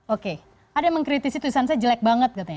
oke ada yang mengkritisi tulisan saya jelek banget katanya